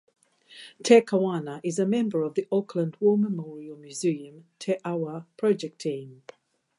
Te Kanawa is member of the Auckland War Memorial Museum Te Awa project team.